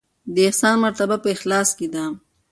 د احسان مرتبه په اخلاص کې ده.